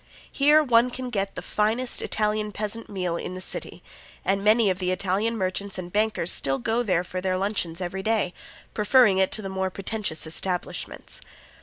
Here one can get the finest Italian peasant meal in the city, and many of the Italian merchants and bankers still go there for their luncheons every day, preferring it to the more pretentious establishments.